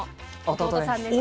弟です。